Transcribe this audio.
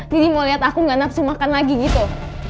dedi mau liat aku gak nafsu makan lagi gitu